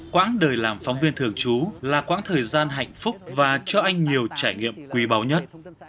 quãng đời làm phóng viên thường trú là quãng thời gian hạnh phúc và cho anh nhiều trải nghiệm quý báu nhất